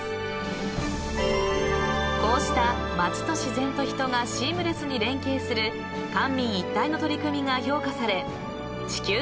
［こうした街と自然と人がシームレスに連携する官民一体の取り組みが評価され地球環境大賞を受賞しました］